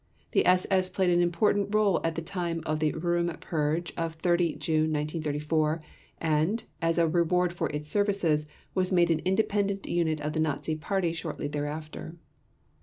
The SS played an important role at the time of the Röhm purge of 30 June 1934, and, as a reward for its services, was made an independent unit of the Nazi Party shortly thereafter.